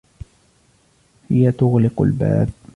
هي تغلق الباب.